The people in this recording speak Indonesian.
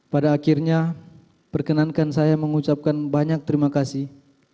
pada akhirnya perkenankan saya mengucapkan banyak terimakasih